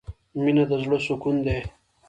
مینه د زړه سکون دی.